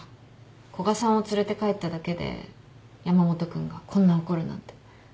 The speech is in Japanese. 古賀さんを連れて帰っただけで山本君がこんな怒るなんて。